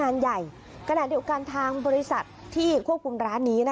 งานใหญ่กระดะเหดีอการทางบริษัทที่ควบคุมร้านนี้